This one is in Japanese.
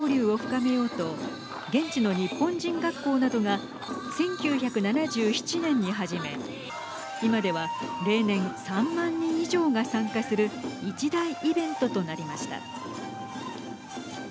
日本とマレーシアの文化交流を深めようと現地の日本人学校などが１９７７年に始め今では例年３万人以上が参加する一大イベントとなりました。